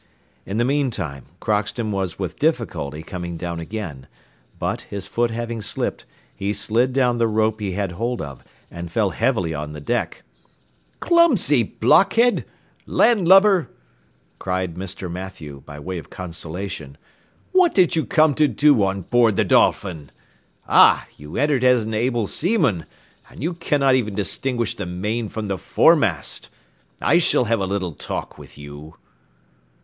In the meantime Crockston was with difficulty coming down again, but, his foot having slipped, he slid down the rope he had hold of, and fell heavily on the deck. "Clumsy blockhead! land lubber!" cried Mr. Mathew, by way of consolation. "What did you come to do on board the Dolphin! Ah! you entered as an able seaman, and you cannot even distinguish the main from the foremast! I shall have a little talk with you."